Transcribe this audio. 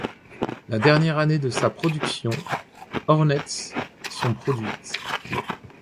La dernière année de sa production, Hornets sont produites.